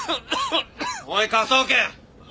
おい科捜研。